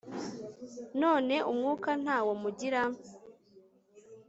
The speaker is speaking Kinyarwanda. none umwuka ntawo mugira